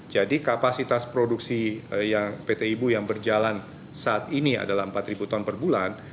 jadi kapasitas produksi yang pt ibu yang berjalan saat ini adalah empat ton per bulan